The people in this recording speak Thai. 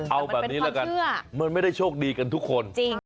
เอาแบบนี้ละกันมันไม่ได้โชคดีกันทุกคน